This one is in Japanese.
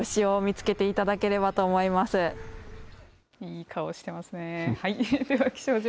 いい顔してますね。